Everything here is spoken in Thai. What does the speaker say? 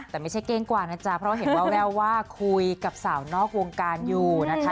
แต่ไม่ใช่เก้งกว่านะจ๊ะเพราะเห็นแววว่าคุยกับสาวนอกวงการอยู่นะคะ